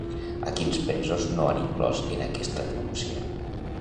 A quins presos no han inclòs en aquesta denúncia?